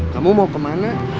kamu mau kemana